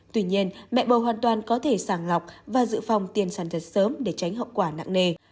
tuy nhiên mẹ bầu hoàn toàn có thể sàng ngọc và giữ phòng tiền sản giật sớm để tránh hậu quả nặng nề